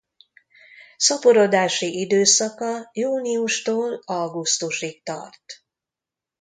Szaporodási időszaka júniustól augusztusig tart.